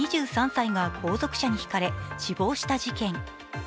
２３歳が後続車にひかれ、死亡した事件。